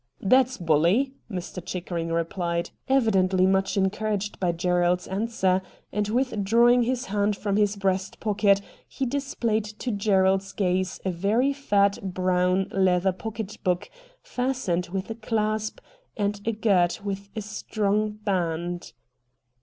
'That's bully,' Mr. Chickering replied, evidently much encouraged by Gerald's answer, and withdrawing his hand from his breast pocket he displayed to Gerald's gaze a very fat brown leather pocket book, fastened with a clasp and girt with a strong band.